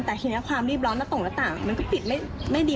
แต่ทีนี้ความรีบร้อนและตรงหน้าต่างมันก็ปิดไม่ดี